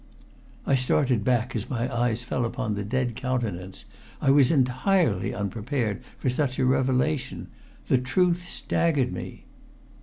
I started back as my eyes fell upon the dead countenance. I was entirely unprepared for such a revelation. The truth staggered me.